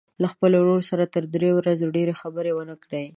له خپل ورور سره تر درې ورځو ډېرې خبرې ونه کړي.